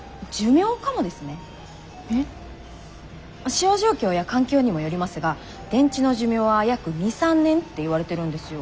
使用状況や環境にもよりますが電池の寿命は約２３年っていわれてるんですよ。